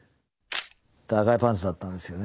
赤いパンツだったんですよね。